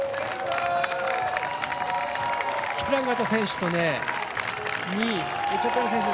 キプランガト選手と２位、エチオピアの選手